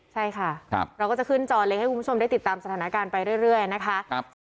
ใช่ค่ะเราก็จะขึ้นจอเล็กให้คุณผู้ชมได้ติดตามสถานการณ์ไปเรื่อยนะคะ